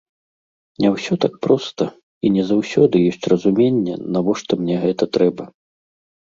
Не ўсё так проста, і не заўсёды ёсць разуменне, навошта мне гэта трэба.